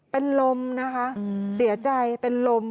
เป็นลมนะคะเสียใจเป็นลม